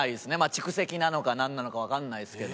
蓄積なのかなんなのかわかんないですけど。